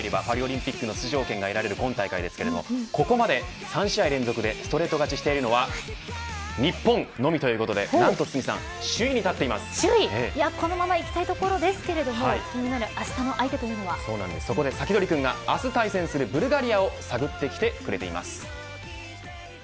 ２位までに入ればパリオリンピックの出場権が得られる今大会ですが、ここまで３試合連続でストレート勝ちしてるのは日本のみということでこのままいきたいところですけれども気になるあしたのサキドリくんが、明日対戦するブルガリアを探ってきてくれています。